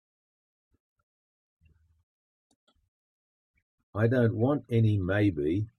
I don't want any maybe.